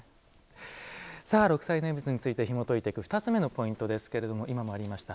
さあ、念仏についてひもといていく２つ目のポイントですけど今もありました